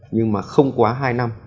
nhưng mà không quá hai năm